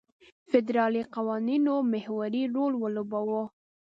فدرالي قوانینو محوري رول ولوباوه.